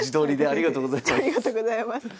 ありがとうございます。